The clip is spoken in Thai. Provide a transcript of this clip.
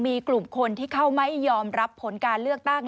มีกลุ่มคนที่เข้าไม่ยอมรับผลการเลือกตั้ง